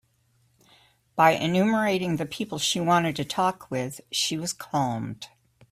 By enumerating the people she wanted to talk with, she was calmed.